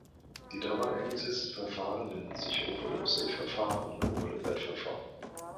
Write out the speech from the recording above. Die dabei eingesetzten Verfahren nennen sich Overlap-Save-Verfahren und Overlap-Add-Verfahren.